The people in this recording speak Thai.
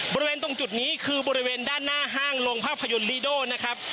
บริเวณตรงจุดนี้คือบริเวณด้านหน้าห้างลงภาพยนตร์ลีโดนะครับ